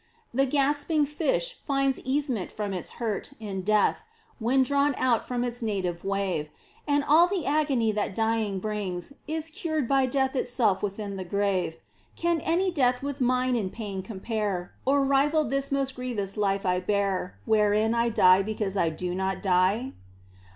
The gasping fish finds easement from its hurt In death, when drawn from out its native wave. And all the agony that djdng brings Is cured by death itself within the grave. Can any death with mine in pain compare. Or rival this most grievous life I bear Wherein I die because I do not die